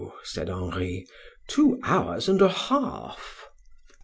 said Henri, "two hours and a half."